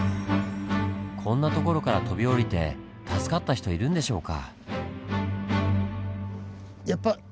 こんな所から飛び降りて助かった人いるんでしょうか。